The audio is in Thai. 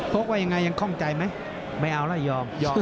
กว่ายังไงยังคล่องใจไหมไม่เอาแล้วยอมยอม